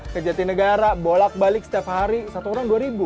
kejati negara bolak balik setiap hari satu orang dua